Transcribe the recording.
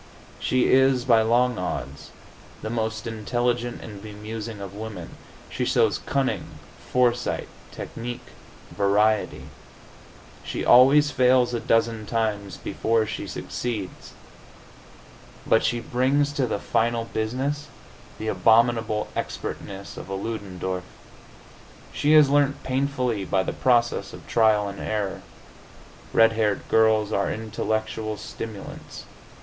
She is, by long odds, the most intelligent and bemusing of women. She shows cunning, foresight, technique, variety. She always fails a dozen times before she succeeds; but she brings to the final business the abominable expertness of a Ludendorff; she has learnt painfully by the process of trial and error. Red haired girls are intellectual stimulants.